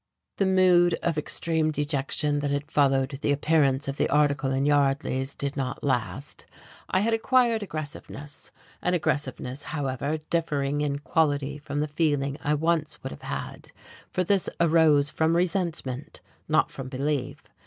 The mood of extreme dejection that had followed the appearance of the article in Yardley's did not last. I had acquired aggressiveness: an aggressiveness, however, differing in quality from the feeling I once would have had, for this arose from resentment, not from belief.